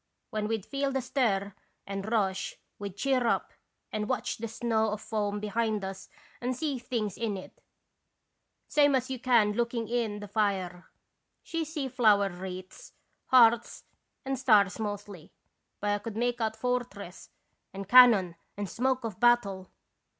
When we 'd feel the stir and rush we 'd cheer up and watch the snow of foam behind us and see things in it, same as you can looking in the fire. She see flower wreaths, hearts, and stars mostly, but I could make out fortress and can non and smoke of battle.